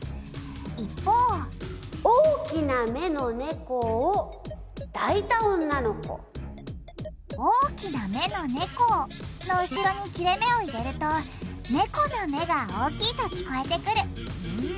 一方「大きな目の猫を」の後ろに切れめを入れると猫の目が大きいと聞こえてくる。